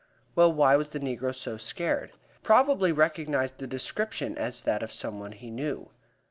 "Well, why was the negro so scared?" I asked. "Probably recognized the description as that of someone he knew."